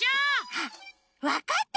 あっわかった！